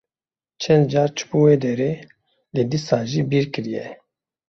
Çend car çûbû wê derê, lê dîsa ji bîr kiriye.